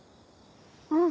うん。